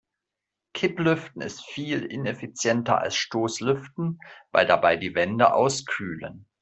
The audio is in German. Kipplüften ist viel ineffizienter als Stoßlüften, weil dabei die Wände auskühlen.